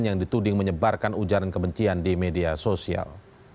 yang dituding menyebarkan ujaran kebencian di media sosial